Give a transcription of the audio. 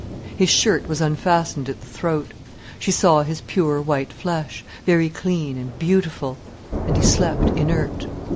His shirt was unfastened at the throat. She saw his pure white flesh, very clean and beautiful. And he slept inert.